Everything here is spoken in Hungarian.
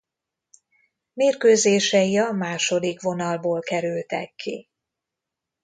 Mérkőzései a második vonalból kerültek ki.